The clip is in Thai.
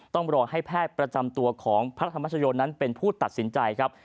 ต้องรอให้แพทย์ประจำตัวของพระธรรมชโยนั้นเป็นผู้ตัดสินใจครับ